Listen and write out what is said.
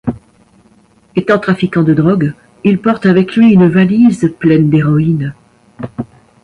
Étant trafiquant de drogue, il porte avec lui une valise pleine d'héroïne.